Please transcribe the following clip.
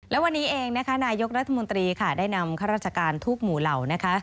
และวันนี้เองนะคะนายกรัฐมนตรีค่ะได้นำข้าราชการทุกหมู่เหล่านะคะ